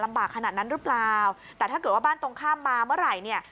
ขนาดนั้นหรือเปล่าแต่ถ้าเกิดว่าบ้านตรงข้ามมาเมื่อไหร่เนี่ย